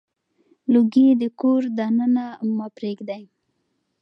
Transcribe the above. لوګي د کور دننه مه پرېږدئ.